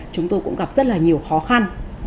chúng tôi cũng gặp rất là nhiều khó khăn